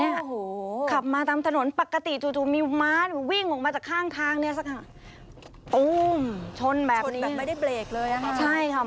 โอ้โหขับมาตามถนนปกติจู่จู่มีม้าเนี่ยวิ่งออกมาจากข้างทางเนี่ยสักค่ะตู้มชนแบบนี้แบบไม่ได้เบรกเลยอ่ะค่ะใช่ค่ะ